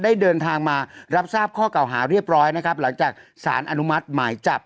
ได้เดินทางมารับทราบข้อเก่าหาเรียบร้อยนะครับหลังจากสารอนุมัติหมายจับ